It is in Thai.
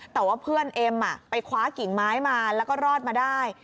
แต่ว่าเพื่อนเอ็มไปคว้ากิ่งไม้มาแล้วก็รอดมาได้